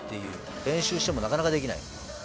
練習してもなかなかできない。